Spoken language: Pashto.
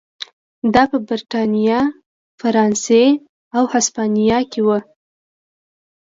دا په برېټانیا، فرانسې او هسپانیا کې و.